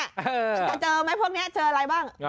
มันจะเจอไหมพวกนี้เจออะไรบ้าง